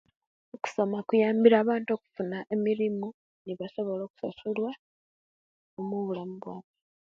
Okusoma kuyambire abantu okufuna emirimu nebasobola okusasulwa mu bulamu bwaiwe